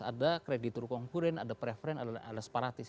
ada kreditur konkuren ada preferen ada separatis